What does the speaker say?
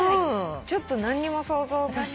ちょっと何にも想像がね。